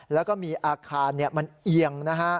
แล้วก็มีอาคารมันเอียงนะฮะ